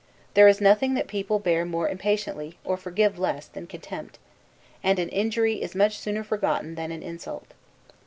There is nothing that people bear more impatiently, or forgive less, than contempt; and an injury is much sooner forgotten than an insult.